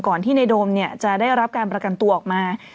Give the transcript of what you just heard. ที่ในโดมจะได้รับการประกันตัวออกมา